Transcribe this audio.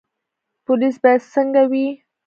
پولیس باید څنګه وي؟